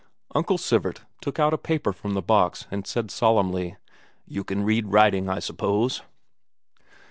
Uncle Sivert took out a paper from the box and said solemnly: "You can read writing, I suppose?"